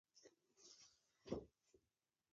خو اوس حالات بدلیږي.